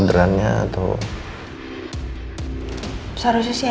apa rasanya bahkan movikanya